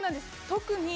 特に。